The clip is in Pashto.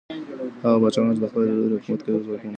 هغه پاچاهان چي د خدای له لورې حکومت کوي، ځواکمن وو.